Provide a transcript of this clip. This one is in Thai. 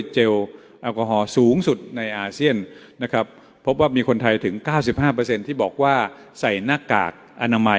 จัดลงของตัวลองน๑๓๐๐ตลวน